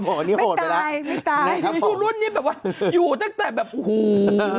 มีชุดรุ่นนี้อยู่ตั้งแต่แบบหู